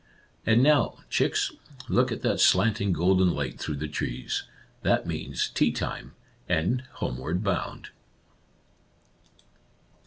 " And now, chicks, look at that slanting, golden light through the trees. That means tea time, and homeward bound